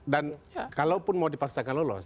dan kalaupun mau dipaksakan lolos